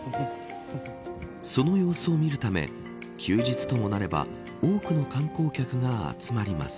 その様子を見るため休日ともなれば多くの観光客が集まります。